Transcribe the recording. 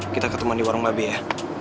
kita ketemu di warung babi ya